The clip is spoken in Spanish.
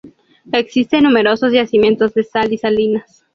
Existen numerosos yacimientos de sal y salinas.